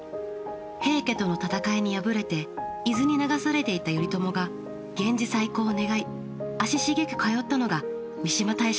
平家との戦いに敗れて伊豆に流されていた頼朝が源氏再興を願い足しげく通ったのが三嶋大社だったんです。